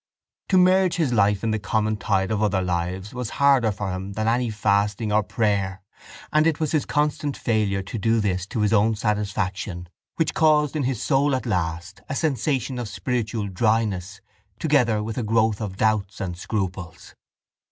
To merge his life in the common tide of other lives was harder for him than any fasting or prayer and it was his constant failure to do this to his own satisfaction which caused in his soul at last a sensation of spiritual dryness together with a growth of doubts and scruples.